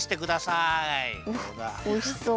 おいしそう。